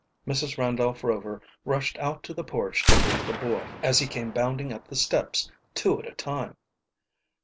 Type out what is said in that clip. Mrs. Randolph Rover rushed out to the porch to greet the boy as he came bounding up the steps, two at a time.